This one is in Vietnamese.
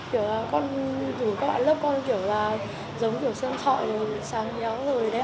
kiểu là con dù các bạn lớp con kiểu là giống kiểu sơn sọ sáng nhéo rồi đấy